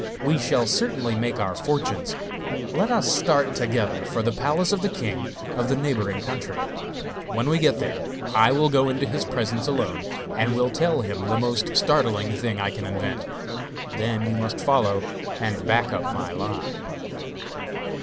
We shall certainly make our fortunes. Let us start together for the palace of the king of the neighbouring country. When we get there, I will go into his presence alone, and will tell him the most startling thing I can invent. Then you must follow and back up my lie.